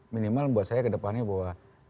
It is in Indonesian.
minimal buat saya kedepannya bahwa